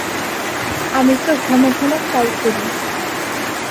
আমি তো ঘন ঘন ফ্লাই করি।